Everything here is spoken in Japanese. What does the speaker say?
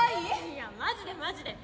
いやマジでマジで。